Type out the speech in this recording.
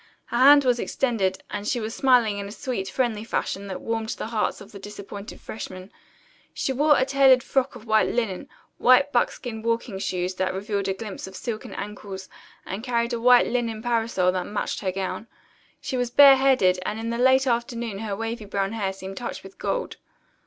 Her hand was extended, and she was smiling in a sweet, friendly fashion that warmed the hearts of the disappointed freshmen. She wore a tailored frock of white linen, white buckskin walking shoes that revealed a glimpse of silken ankles, and carried a white linen parasol that matched her gown. She was bareheaded, and in the late afternoon her wavy brown hair seemed touched with gold.